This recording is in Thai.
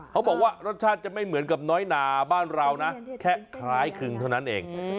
เขาบอกว่ารสชาติจะไม่เหมือนกับน้อยหนาบ้านเรานะแค่คล้ายคลึงเท่านั้นเอง